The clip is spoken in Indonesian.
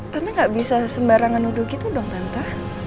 tante gak bisa sembarangan nuduh gitu dong tante